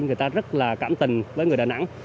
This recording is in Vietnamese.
người ta rất là cảm tình với người đà nẵng